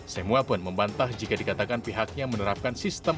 semua pun membantah jika dikatakan pihaknya menerapkan sistem